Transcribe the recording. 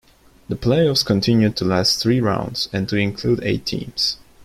The playoffs continued to last three rounds and to include eight teams.